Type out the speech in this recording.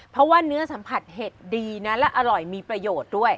เพราะว่าเนื้อสัมผัสเห็ดดีนะและอร่อยมีประโยชน์ด้วย